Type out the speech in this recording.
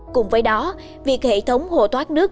cùng với đó việc hệ thống hồ thoát nước